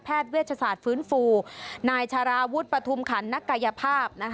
เวชศาสตร์ฟื้นฟูนายชาราวุฒิปฐุมขันนักกายภาพ